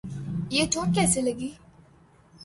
یہ چوٹ کیسے لگی؟